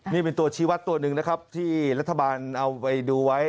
นี่เป็นตัวชีวัตรตัวหนึ่งนะครับที่รัฐบาลเอาไปดูไว้